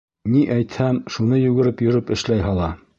Ни әйтһәм, шуны йүгереп йөрөп эшләй һала.